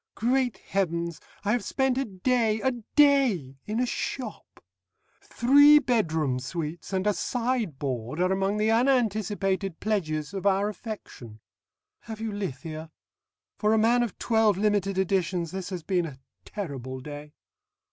"Great Heavens! I have spent a day a day! in a shop. Three bedroom suites and a sideboard are among the unanticipated pledges of our affection. Have you lithia? For a man of twelve limited editions this has been a terrible day."